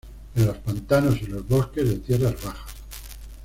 En los pantanos y los bosques de tierras bajas.